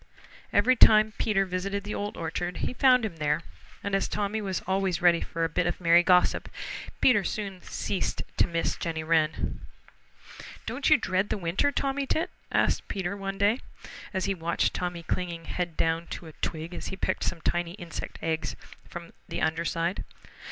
Every time Peter visited the Old Orchard he found him there, and as Tommy was always ready for a bit of merry gossip, Peter soon ceased to miss Jenny Wren. "Don't you dread the winter, Tommy Tit?" asked Peter one day, as he watched Tommy clinging head down to a twig as he picked some tiny insect eggs from the under side.